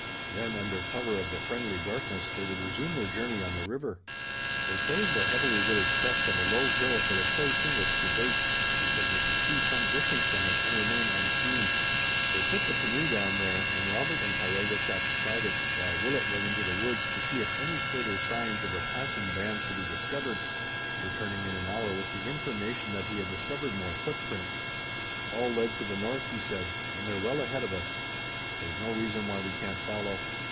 Then under cover of the friendly darkness they would resume their journey on the river. They chose the heavily wooded crest of a low hill for the place in which to wait, because they could see some distance from it and remain unseen. They put the canoe down there and Robert and Tayoga sat beside it, while Willet went into the woods to see if any further signs of a passing band could be discovered, returning in an hour with the information that he had discovered more footprints. "All led to the north," he said, "and they're well ahead of us. There's no reason why we can't follow.